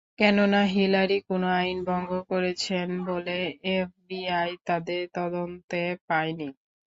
কেননা, হিলারি কোনো আইন ভঙ্গ করেছেন বলে এফবিআই তাদের তদন্তে পায়নি।